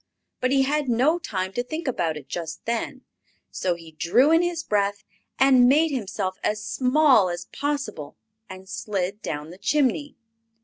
But he had no time to think about it just then, so he drew in his breath and made himself as small as possible and slid down the chimney.